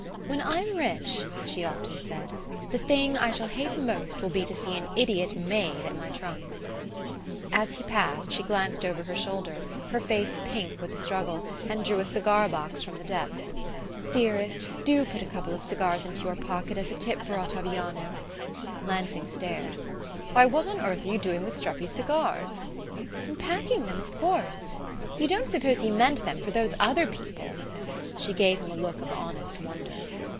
"When I'm rich," she often said, "the thing I shall hate most will be to see an idiot maid at my trunks." As he passed, she glanced over her shoulder, her face pink with the struggle, and drew a cigar box from the depths. "Dearest, do put a couple of cigars into your pocket as a tip for Ottaviano." Lansing stared. "Why, what on earth are you doing with Streffy's cigars?" "Packing them, of course.... You don't suppose he meant them for those other people?" She gave him a look of honest wonder.